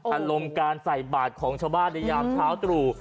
อารมณ์การใส่บาทของชาวบ้านในยามเช้าตรู่